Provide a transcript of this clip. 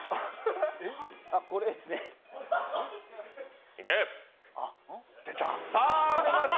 これですね、出た。